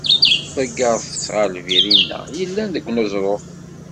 Ḍeggert-tt ɣer lbir inna yellan deg uneẓruf.